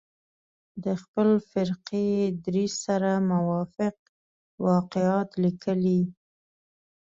د خپل فرقه يي دریځ سره موافق واقعات لیکلي.